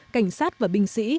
cảnh sát và binh sĩ